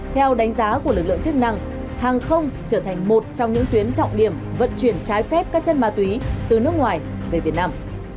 theo đánh giá của lực lượng chức năng hàng không trở thành một trong những tuyến trọng điểm vận chuyển trái phép các chất ma túy từ nước ngoài về việt nam